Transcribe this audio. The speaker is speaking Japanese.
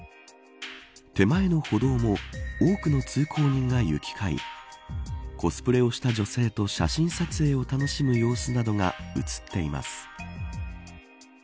手前の歩道も多くの通行人が行き交いコスプレをした女性と写真撮影を楽しむ様子などが映っています。